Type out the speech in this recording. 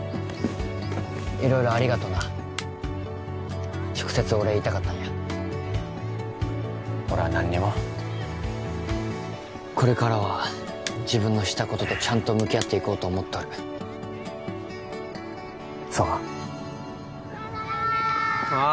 色々ありがとな直接お礼言いたかったんや俺は何にもこれからは自分のしたこととちゃんと向き合っていこうと思っとるそうか・さようなら